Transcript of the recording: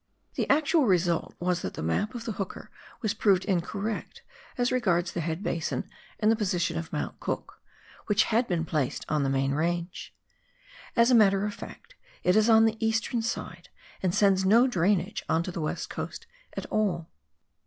The actual result was that the map of the Hooker was proved incorrect as regards the head basin and the position of Mount Cook, which had been placed on the main range. As a matter of fact, it is on the eastern side and sends no drainage on to the West Coast at all.